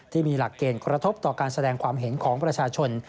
ที่มีหลักเกณฑ์กระทบต่อการแสดงความเห็นของประชาชน